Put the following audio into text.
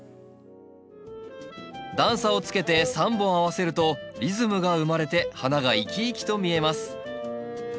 段差をつけて３本合わせるとリズムが生まれて花が生き生きと見えます。